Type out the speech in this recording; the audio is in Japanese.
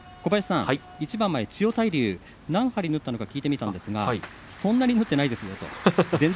一番前の千代大龍に何針縫ったか聞いてみたらそんなに縫ってないですよ